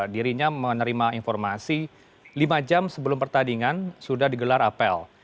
dirinya menerima informasi lima jam sebelum pertandingan sudah digelar apel